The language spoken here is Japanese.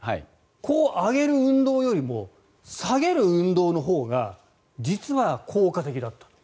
こう上げる運動よりも下げる運動のほうが実は効果的だった。